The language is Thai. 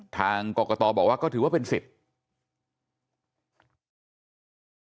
ทางกรกตบอกว่าก็ถือว่าเป็นสิทธิ์